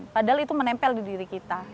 padahal itu menempel di diri kita